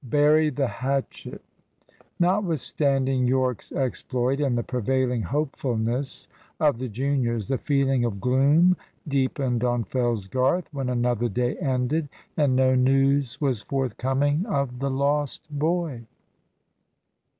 "BURY THE HATCHET!" Notwithstanding Yorke's exploit, and the prevailing hopefulness of the juniors, the feeling of gloom deepened on Fellsgarth when another day ended, and no news was forthcoming of the lost boy.